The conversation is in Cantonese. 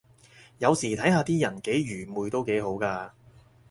有時睇下啲人幾愚昧都幾好咖